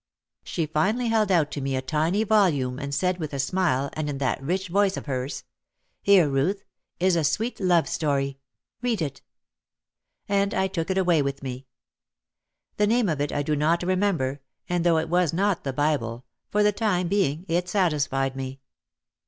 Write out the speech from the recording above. She finally held out to me a tiny volume and said with a smile and in that rich voice of hers, "Here, Ruth, is a sweet love story, read it." And I took it away with me. The name of it I do not remember and though it was not the Bible, for the time being it satisfied me.